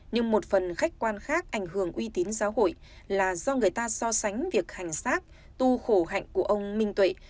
nhưng một phần khách quan khác ảnh hưởng uy tín giáo hội là do người ta so sánh việc hành xác tu khổ hạnh của ông minh tuệ